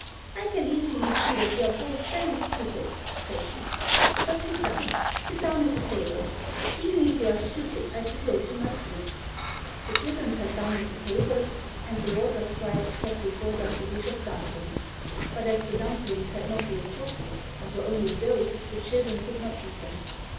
"I can easily see that you are both very stupid," said she. "But sit down; sit down at the table. Even if you are stupid I suppose you must eat." The children sat down at the table, and the water sprite set before them a dish of dumplings, but as the dumplings had not been cooked and were only dough the children could not eat them.